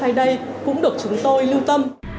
phải đây cũng được chúng tôi lưu tâm